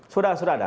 sudah sudah ada